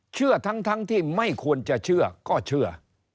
เชื่อทั้งที่ไม่ควรจะเชื่อก็เชื่อ